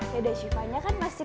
dede siva nya kan masihsu